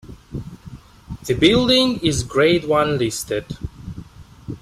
The building is Grade One listed.